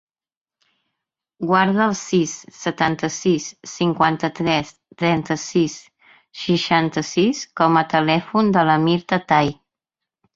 Guarda el sis, setanta-sis, cinquanta-tres, trenta-sis, seixanta-sis com a telèfon de l'Amir Tatay.